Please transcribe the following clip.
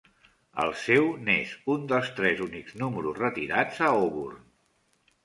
El seu n"és un dels tres únics números retirats a Auburn.